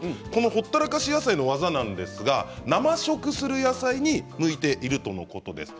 ほったらかし野菜の技なんですが生食する野菜に向いているとのことです。